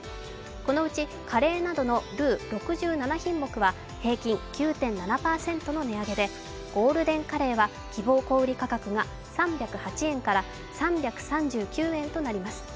このうちカレーなどのルー６７品目は平均９．７％の値上げで、ゴールデンカレーは希望小売価格が３０８円から３３９円の値上げとなります。